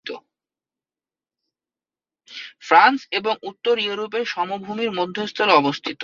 France এবং উত্তর ইউরোপের সমভূমির মধ্যস্থলে অবস্থিত।